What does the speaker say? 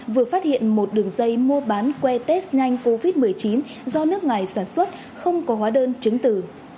vừa phát hiện một đường dây mua bán que test nhanh covid một mươi chín do nước ngoài sản xuất không có hóa đơn chứng tử